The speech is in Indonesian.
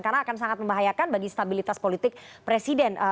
karena akan sangat membahayakan bagi stabilitas politik presiden